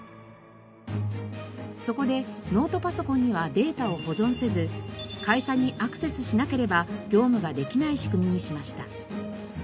そこでノートパソコンにはデータを保存せず会社にアクセスしなければ業務ができない仕組みにしました。